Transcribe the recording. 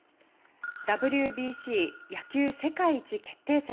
ＷＢＣ野球世界一決定戦。